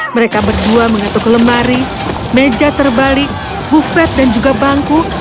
mereka berdua mengatuk lemari meja terbalik buffet dan juga bangku